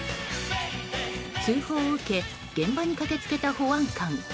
通報を受け現場に駆け付けた保安官。